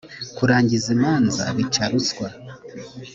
kurangiza imanza bica ruswa.